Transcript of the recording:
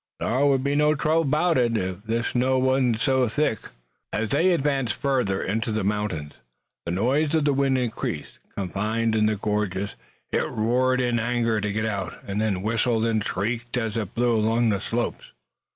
Thar would be no trouble 'bout it, ef this snow wuzn't so thick." As they advanced farther into the mountains the noise of the wind increased. Confined in the gorges it roared in anger to get out, and then whistled and shrieked as it blew along the slopes.